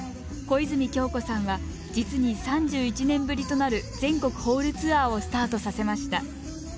小泉今日子さんは実に３１年ぶりとなる全国ホールツアーをスタートさせました。